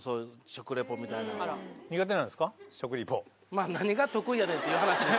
まぁ何が得意やねんっていう話ですけど。